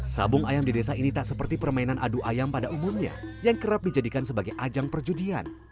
sabung ayam di desa ini tak seperti permainan adu ayam pada umumnya yang kerap dijadikan sebagai ajang perjudian